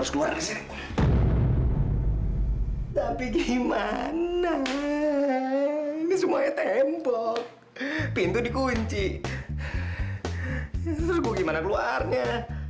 sampai jumpa di video selanjutnya